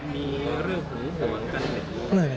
มีเรื่องหูหวนกันไหม